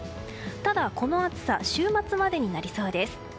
ただ、この暑さ週末までになりそうです。